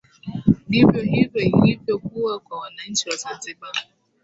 ndivyo hivyo ilivyo kuwa kwa wananchi wa zanzibar